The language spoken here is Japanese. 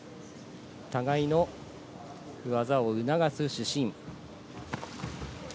互いの技を促す主審。